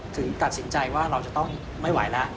ถึงตัดสินใจว่าเราจะต้องไม่ไหวแล้ว